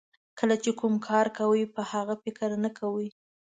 کله چې کوم کار کوئ په هغه فکر نه کوئ.